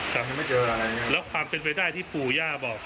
ครับแล้วความเป็นไปได้ที่ภูย่าบอก